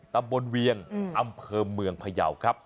ตำบลเวียงอำเภอเมืองพยาวครับ